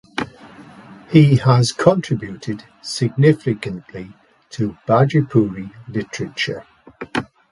He has contributed significantly to Bhojpuri Literature.